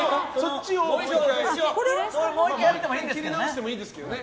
切り直してもいいですけどね。